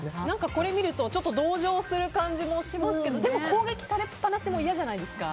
これ見ると同情する感じもしますけどでも攻撃されっぱなしも嫌じゃないですか？